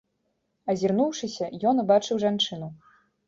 Азірнуўшыся, ён убачыў жанчыну.